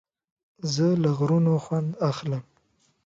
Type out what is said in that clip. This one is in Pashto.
زه له غرونو خوند اخلم.